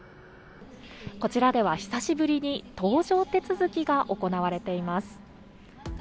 こちらでは、久しぶりに搭乗手続きが行われています。